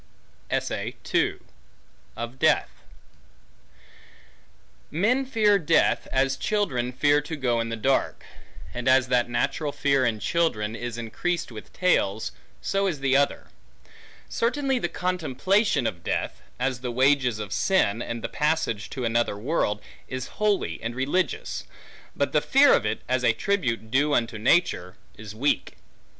Of Death MEN fear death, as children fear to go in the dark; and as that natural fear in children, is increased with tales, so is the other. Certainly, the contemplation of death, as the wages of sin, and passage to another world, is holy and religious; but the fear of it, as a tribute due unto nature, is weak.